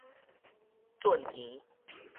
圳墘